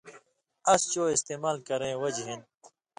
اس چو استعمال کرَیں وجہۡ ہِن